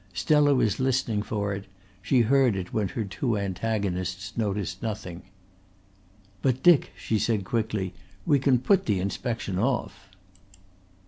Stella was listening for it; she heard it when her two antagonists noticed nothing. "But, Dick," she said quickly, "we can put the inspection off."